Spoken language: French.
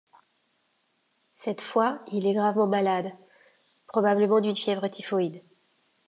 Cette fois, il est gravement malade, probablement d’une fièvre typhoïde.